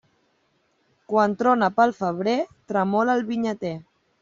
Quan trona pel febrer, tremola el vinyater.